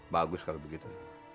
bagus kalau begitu